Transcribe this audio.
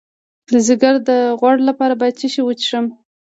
د ځیګر د غوړ لپاره باید څه شی وڅښم؟